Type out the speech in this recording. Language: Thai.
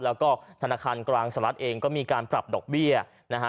แล้วก็ธนาคารกลางสหรัฐเองก็มีการปรับดอกเบี้ยนะฮะ